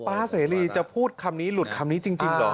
เสรีจะพูดคำนี้หลุดคำนี้จริงเหรอ